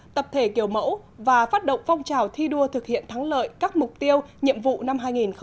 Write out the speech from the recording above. tập thể kiểu mẫu và phát động phong trào thi đua thực hiện thắng lợi các mục tiêu nhiệm vụ năm hai nghìn hai mươi